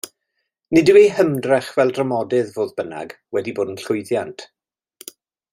Nid yw ei hymdrech fel dramodydd, fodd bynnag, wedi bod yn llwyddiant.